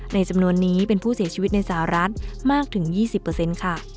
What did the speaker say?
จำนวนนี้เป็นผู้เสียชีวิตในสหรัฐมากถึง๒๐ค่ะ